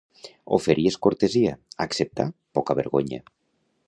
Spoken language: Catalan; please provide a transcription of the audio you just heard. Oferir és cortesia; acceptar, pocavergonya.